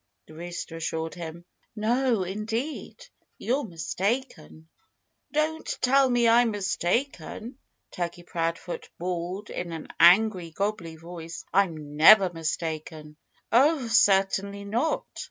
the rooster assured him. "No, indeed! You're mistaken." "Don't tell me I'm mistaken!" Turkey Proudfoot bawled in an angry, gobbly voice. "I'm never mistaken." "Oh, certainly not!"